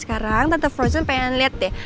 sekarang tante fosen pengen liat deh